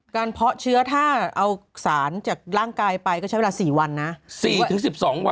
การเพาะเชื้อถ้าเอาสารจากร่างกายไปก็ใช้เวลาสี่วันนะสี่ถึงสิบสองวัน